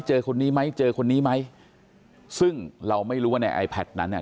เจอคนนี้ไหมเจอคนนี้ไหมซึ่งเราไม่รู้ว่าในไอแพทย์นั้นเนี่ย